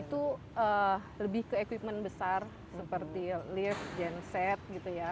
itu lebih ke equipment besar seperti lift genset gitu ya